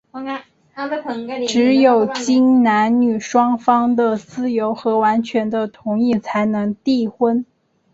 只有经男女双方的自由和完全的同意,才能缔婚。